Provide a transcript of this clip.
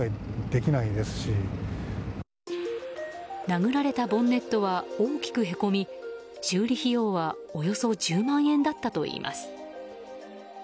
殴られたボンネットは大きくへこみ修理費用はおよそ１０万円だったといいます。